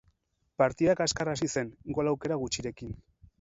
Partida kaskar hasi zen, gol aukera gutxirekin.